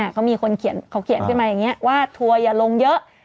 เขาเขียนไปใหม่อย่างนี้ว่าถั่วยะลงเยอะ